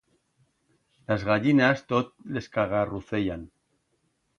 Las gallinas tot l'escagarruceyan.